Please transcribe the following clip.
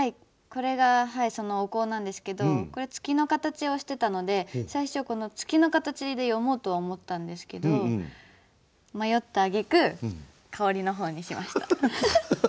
これがそのお香なんですけどこれ月の形をしてたので最初この月の形で詠もうとは思ったんですけど迷ったあげく香りの方にしました。